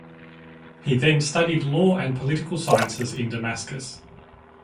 He then studied law and political sciences in Damascus.